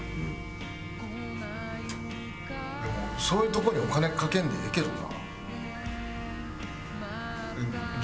そういうとこにお金かけんでええけどな。